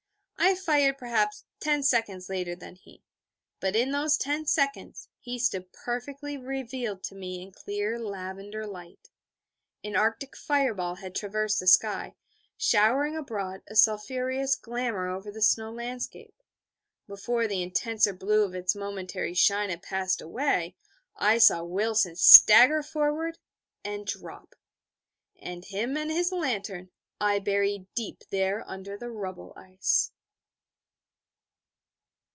I fired perhaps ten seconds later than he: but in those ten seconds he stood perfectly revealed to me in clear, lavender light. An Arctic fire ball had traversed the sky, showering abroad, a sulphurous glamour over the snow landscape. Before the intenser blue of its momentary shine had passed away, I saw Wilson stagger forward, and drop. And him and his lantern I buried deep there under the rubble ice.